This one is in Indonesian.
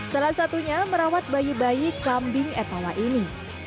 salah satunya merawat bayi bayi kambing etawa ini